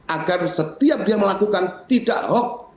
agar setiap dia melakukan tidak hoax